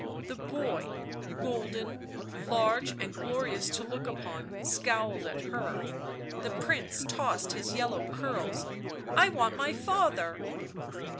The boy, golden, large and glorious to look upon, scowled at her. The Prince tossed his yellow curls. " I want my father."